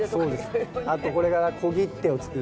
あとこれから小切手を作ったりとか。